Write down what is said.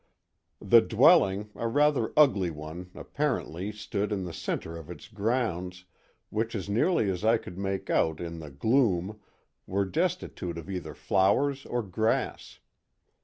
The dwelling, a rather ugly one, apparently, stood in the center of its grounds, which as nearly as I could make out in the gloom were destitute of either flowers or grass.